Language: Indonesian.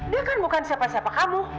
dia kan bukan siapa siapa kamu